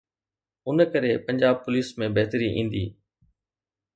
ان ڪري پنجاب پوليس ۾ بهتري ايندي.